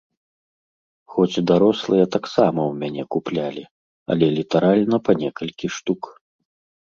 Хоць дарослыя таксама ў мяне куплялі, але літаральна па некалькі штук.